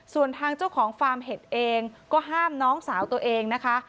ส่วนทางเจ้าของฟาร์มเห็ดเองก็ห้ามน้องสาวตัวเองนะคะ